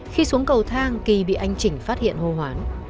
khi xuống cầu thang kỳ bị anh chỉnh phát hiện hô hoán